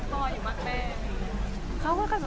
เราก็ยินดีที่จะแบบเล่า